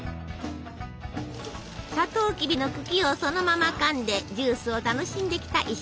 さとうきびの茎をそのままかんでジュースを楽しんできた石垣島。